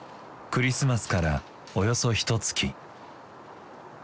クリスマスからおよそひと月。